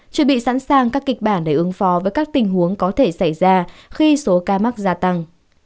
chuẩn bị sẵn sàng các kịch bản để ứng phó với các tình huống có thể xảy ra khi số ca mắc gia tăng